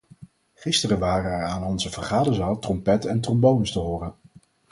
Gisteren waren er aan onze vergaderzaal trompetten en trombones te horen.